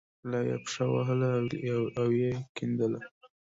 لا یې پښه وهله او یې کیندله.